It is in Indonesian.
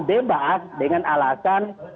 debat dengan alasan